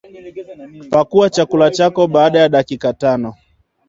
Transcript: Pakuaa chakula chako baada ya dakika tano